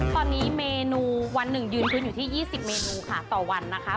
ตอนนี้เมนูวันหนึ่งยืนพื้นอยู่ที่๒๐เมนูค่ะต่อวันนะคะ